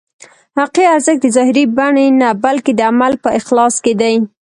حقیقي ارزښت د ظاهري بڼې نه بلکې د عمل په اخلاص کې دی.